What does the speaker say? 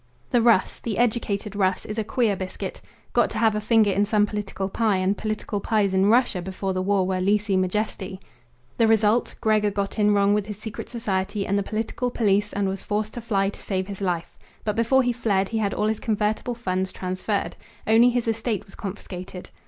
"The Russ the educated Russ is a queer biscuit. Got to have a finger in some political pie, and political pies in Russia before the war were lese majesty. The result Gregor got in wrong with his secret society and the political police and was forced to fly to save his life. But before he fled he had all his convertible funds transferred. Only his estate was confiscated.